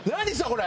これ！